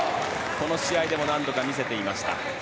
この試合でも何度か見せていました。